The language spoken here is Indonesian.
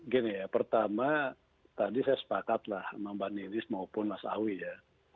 gini ya pertama tadi saya sepakat lah sama mbak nilis maupun mas awi ya